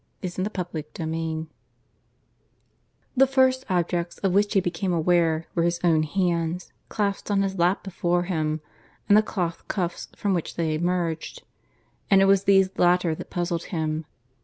.. air! ... PART I CHAPTER I (I) The first objects of which he became aware were his own hands clasped on his lap before him, and the cloth cuffs from which they emerged; and it was these latter that puzzled him.